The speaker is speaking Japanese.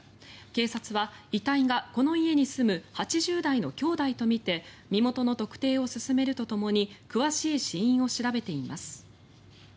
警察は遺体がこの家に住む８０代の兄弟とみて身元の特定を進めるとともに詳しい死因を調べています。